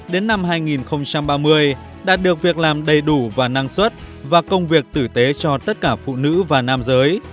đến năm hai nghìn ba mươi đạt được việc làm đầy đủ và năng suất và công việc tử tế cho tất cả phụ nữ và nam giới